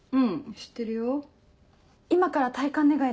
知ってる。